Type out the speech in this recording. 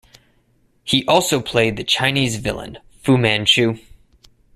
He also played the Chinese villain Fu Manchu.